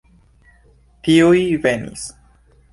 Tiuj venis.